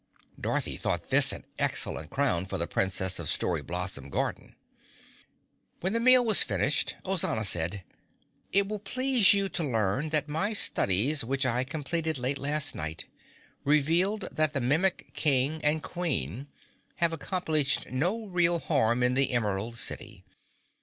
Dorothy thought this an excellent crown for the Princess of Story Blossom Garden. When the meal was finished, Ozana said, "It will please you to learn that my studies which I completed late last night revealed that the Mimic King and Queen have accomplished no real harm in the Emerald City.